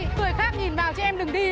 người khác nhìn vào chị em đừng đi như thế